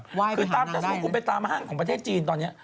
มันเป็นปลาฉลามตามแต่สมมุติผมไปตามห้างของประเทศจีนตอนนี้